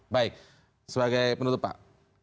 baik sebagai penutup pak